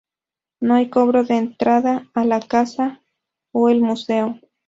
No hay cobro de entrada a la casa o el museo.